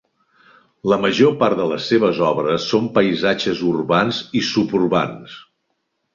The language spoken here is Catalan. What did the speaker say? La major part de les seves obres són paisatges urbans i suburbans.